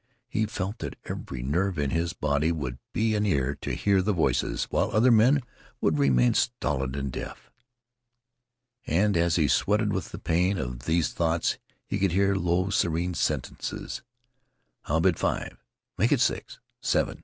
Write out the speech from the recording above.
He felt that every nerve in his body would be an ear to hear the voices, while other men would remain stolid and deaf. And as he sweated with the pain of these thoughts, he could hear low, serene sentences. "I'll bid five." "Make it six." "Seven."